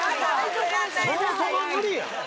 そもそも無理やろ！